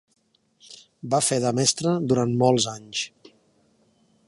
Va fer de mestre durant molts anys.